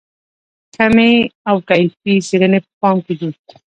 کمي او کیفي څېړنې په پام کې دي.